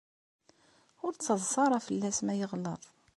Ur ttaḍsa ara fell-as ma yeɣleḍ.